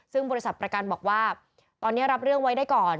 ซึ่งบริษัทประกันบอกว่าตอนนี้รับเรื่องไว้ได้ก่อน